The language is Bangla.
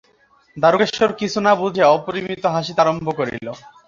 দারুকেশ্বর কিছু না বুঝিয়া, অপরিমিত হাসিতে আরম্ভ করিল।